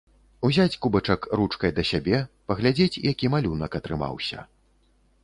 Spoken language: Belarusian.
Узяць кубачак ручкай да сябе, паглядзець, які малюнак атрымаўся.